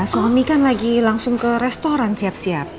suami kan lagi langsung ke restoran siap siap